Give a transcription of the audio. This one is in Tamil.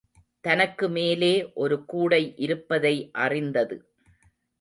தனக்கு மேலே ஒரு கூடை இருப்பதை அறிந்தது.